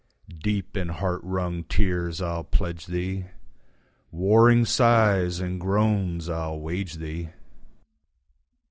Deep in heart wrung tears I'll pledge thee, Warring sighs and groans I'll wage thee.